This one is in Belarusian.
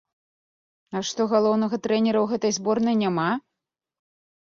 А што галоўнага трэнера ў гэтай зборнай няма?